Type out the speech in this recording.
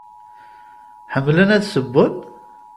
Ḥemmlen ad ssewwen?